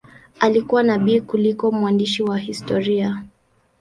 Alikuwa nabii kuliko mwandishi wa historia.